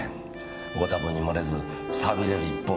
ご多分にもれずさびれる一方。